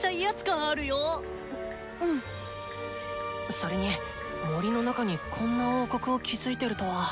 それに森の中にこんな王国を築いてるとは。